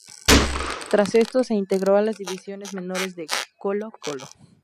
Tras esto, se integró a las divisiones menores de Colo-Colo.